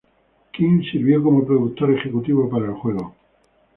Kim sirvió como productor ejecutivo para el juego.